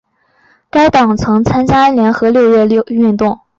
该党曾参加联合六月运动。